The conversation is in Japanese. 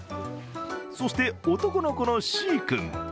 そして、男の子のＣ君。